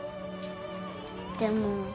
でも。